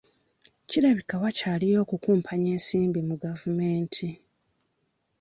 Kirabika wakyaliwo okukumpanya ensimbi mu gavumenti.